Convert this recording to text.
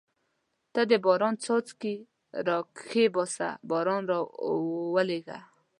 ته د باران څاڅکي را کښېباسه باران راولېږه.